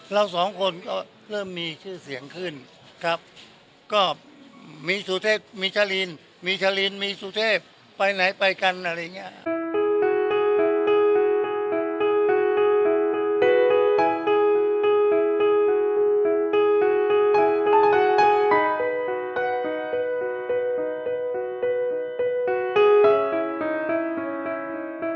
เราสองคนก็เริ่มมีชื่อเสียงขึ้นครับก็มีสุเทพมีชะลินมีชะลินมีสุเทพไปไหนไปกันอะไรอย่างเงี้ย